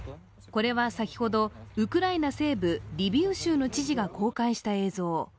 これは先ほど、ウクライナ西部リビウ州の知事が公開した映像。